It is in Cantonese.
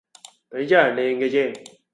你真係靚嘅啫